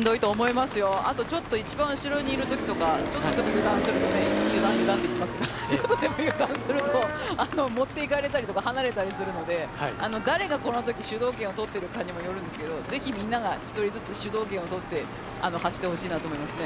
あとちょっと一番後ろにいるときとかちょっとでも油断すると持っていかれたりとか離れたりとかするので誰がこの時主導権を持っているかにもよるんですけどぜひみんなが１人ずつ主導権をとって走ってもらいたいと思いますね。